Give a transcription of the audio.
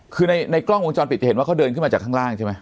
คือในกล้องวงจรปิดจะเห็นว่าเขาเดินขึ้นมาจากข้างล่างใช่ไหม